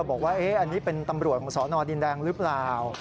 บอกว่าอันนี้เป็นตำรวจของสนดินแดงหรือเปล่า